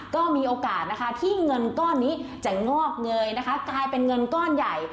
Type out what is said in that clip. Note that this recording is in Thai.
ก็มีโอกาสนะคะที่เงินก้อนนี้จะงอกเงยนะคะกลายเป็นเงินก้อนใหญ่